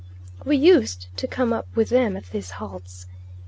We used to come up with them at these halts.